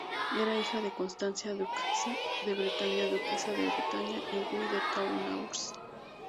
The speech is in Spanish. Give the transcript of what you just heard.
Era hija de Constanza, duquesa de Bretaña, duquesa de Bretaña y Guy de Thouars.